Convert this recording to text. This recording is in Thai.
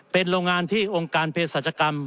เป็นโรงงานที่องค์การเพศรัชกรรม